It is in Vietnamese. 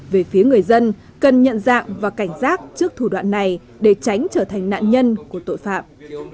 về phía người dân cần nhận dạng và cảnh giác trước thủ đoạn này để tránh trở thành nạn nhân của tội phạm